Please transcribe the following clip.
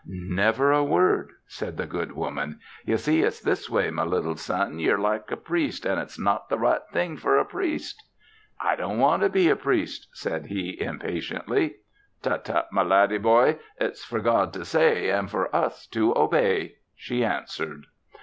"Never a word," said the good woman. "Ye see it's this way, my little son, ye're like a priest an' it's not the right thing for a priest." "I don't want to be a priest," said he impatiently. "Tut, tut, my laddie boy! It's for God to say an' for us to obey," she answered.